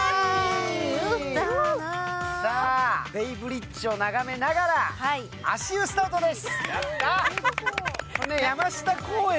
さぁ、ベイブリッジを眺めながら、足湯スタートです。